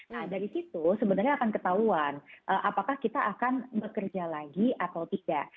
nah dari situ sebenarnya akan ketahuan apakah kita akan bekerja lagi atau tidak